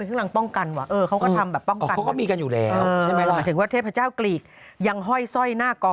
เป็นข้างลังป้องกันวะเอ่อเขาก็ทำแบบที่ไม่รอถึงพระเจ้ากรีกยังห้อยสร้อยหน้ากล่อ